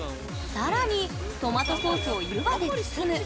更にトマトソースを湯葉で包む。